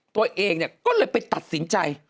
ตัวเองก็เลยไปตัดสินใจ